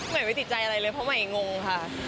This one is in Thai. ใหม่ไม่ติดใจอะไรเลยเพราะใหม่งงค่ะ